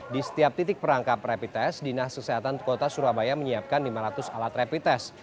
di setiap titik perangkap rapid test dinas kesehatan kota surabaya menyiapkan lima ratus alat rapid test